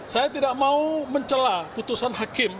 saya tidak mau mencelah putusan hakim